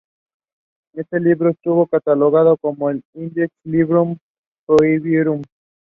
Este libro estuvo catalogado en el "Index Librorum Prohibitorum".